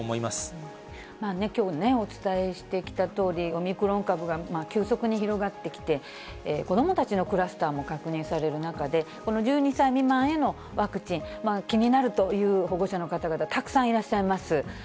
まあね、きょうお伝えしてきたとおり、オミクロン株が急速に広がってきて、子どもたちのクラスターも確認される中で、この１２歳未満へのワクチン、気になるという保護者の方々、たくさんいらっしゃいます。